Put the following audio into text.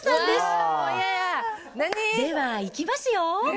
ではいきますよ。